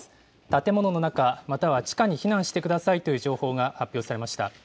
建物の中、または地下に避難してくださいという情報が発表されました。